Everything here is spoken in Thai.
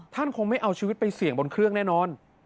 คงไม่เอาชีวิตไปเสี่ยงบนเครื่องแน่นอน